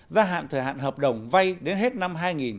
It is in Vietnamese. gia hạn thời hạn hợp đồng vay đến hết năm hai nghìn hai mươi